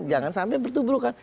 jangan sampai bertubur tubur kan